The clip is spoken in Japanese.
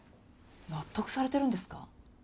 納得されてるんですか？